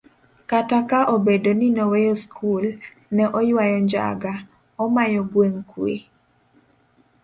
kata ka obedo ni noweyo skul, ne oywayo njaga, omayo jogweng' kwe